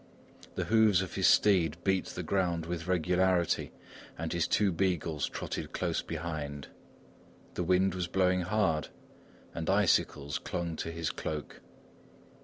The hoofs of his steed beat the ground with regularity and his two beagles trotted close behind. The wind was blowing hard and icicles clung to his cloak.